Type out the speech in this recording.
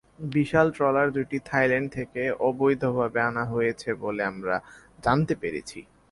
বিশাল trawler দুটি Thailand থেকে অবৈধভাবে আনা হয়েছে বলে আমরা জানতে পেরেছি।